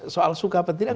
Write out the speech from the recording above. soal suka atau tidak